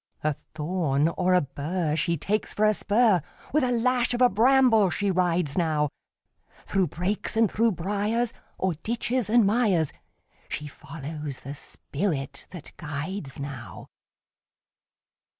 A thorn or a bur She takes for a spur; With a lash of a bramble she rides now, Through brakes and through briars, O'er ditches and mires, She follows the spirit that guides now.